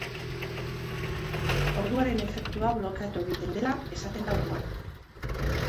Orduaren efektua blokeatu egiten dela esaten da orduan.